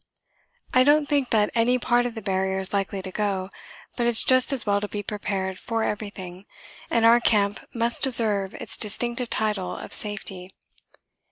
I don't think that any part of the Barrier is likely to go, but it's just as well to be prepared for everything, and our camp must deserve its distinctive title of 'Safety.'